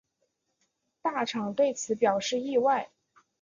大场对此表示意外。